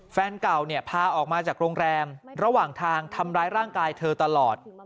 แฟนเก่าเนี่ยพาออกมาจากโรงแรมระหว่างทางทำร้ายร่างกายเธอตลอด